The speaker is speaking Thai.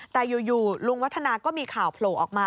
แต่อยู่ลุงวัฒนาก็มีข่าวโผล่ออกมา